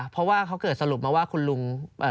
เพราะว่าเขาเกิดสรุปมาว่าคุณลุง